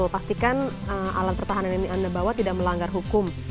pastikan alat pertahanan yang anda bawa tidak melanggar hukum